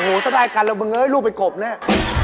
โอ้โฮต้องได้กันแล้วมึงลูกเป็นกบเนี่ย